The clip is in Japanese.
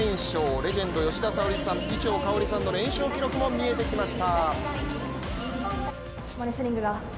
レジェンド・吉田沙保里さん伊調馨さんの連勝記録も見えてきました。